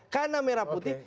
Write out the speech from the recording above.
karena merah putih